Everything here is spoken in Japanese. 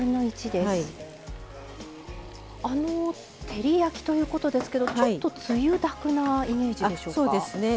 照り焼きということですけどちょっとつゆだくなイメージでしょうか。